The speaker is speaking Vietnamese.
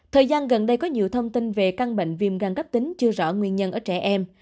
thời gian gần đây có nhiều thông tin về căn bệnh viêm gan cấp tính chưa rõ nguyên nhân ở trẻ em